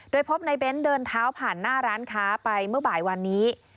โดยพบในเบ้นเดินเท้าผ่านหน้าร้านค้าไปเมื่อบ่ายวันนี้